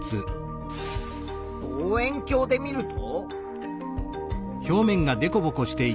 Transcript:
望遠鏡で見ると。